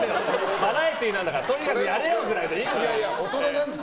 バラエティーなんだからとにかくやれよでいいんだよ！